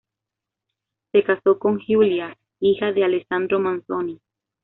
Se casó con Giulia, hija de Alessandro Manzoni.